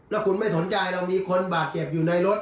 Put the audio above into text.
แล้วคุณไม่สนใจเรามีคนบาดเจ็บอยู่ในรถ